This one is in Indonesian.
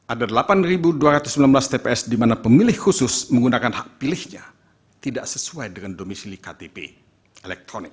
ada delapan dua ratus sembilan belas tps di mana pemilih khusus menggunakan hak pilihnya tidak sesuai dengan domisili ktp elektronik